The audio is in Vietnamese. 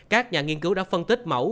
các nhà nghiên cứu đã phân tích mẫu